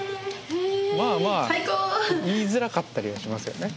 言いづらかったりはしますよね